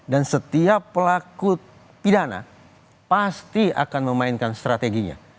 setiap pelaku pidana pasti akan memainkan strateginya